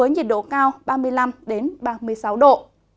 nhiệt độ cao ba mươi năm ba mươi sáu độ